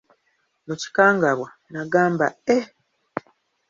Mu kikangabwa, n'agamba, Eeh!